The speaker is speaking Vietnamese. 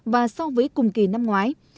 và so với cùng kỳ năm ngoái